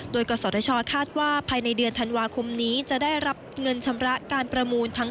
โดยกศชคาดว่าภายในเดือนธันวาคมนี้จะได้รับเงินชำระการประมูลทั้ง